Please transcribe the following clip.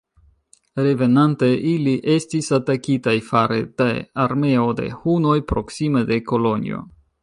Revenante ili estis atakitaj fare de armeo de Hunoj proksime de Kolonjo.